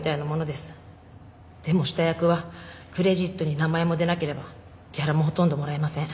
でも下訳はクレジットに名前も出なければギャラもほとんどもらえません。